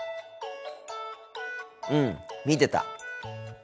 うん見てた。